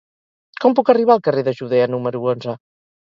Com puc arribar al carrer de Judea número onze?